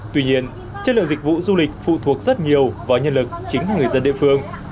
tuy nhiên chất lượng dịch vụ du lịch phụ thuộc rất nhiều vào nhân lực chính là người dân địa phương